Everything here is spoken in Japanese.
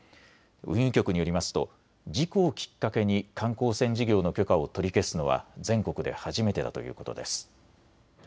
運輸局によりますと事故をきっかけに観光船事業の許可を取り消すのは全国で初めてだということです。